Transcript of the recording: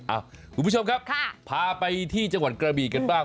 คุณผู้ชมครับพาไปที่จังหวัดกระบีกันบ้าง